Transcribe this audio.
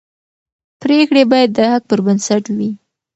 پرېکړې باید د حق پر بنسټ وي